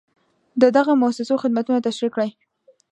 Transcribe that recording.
د دغو مؤسسو خدمتونه تشریح کړئ.